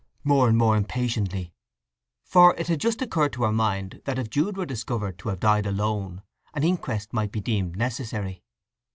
more and more impatiently; for it had just occurred to her mind that if Jude were discovered to have died alone an inquest might be deemed necessary.